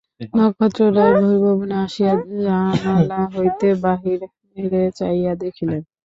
নক্ষত্ররায় বহির্ভবনে আসিয়া জানলা হইতে বাহিরে চাহিয়া দেখিলেন।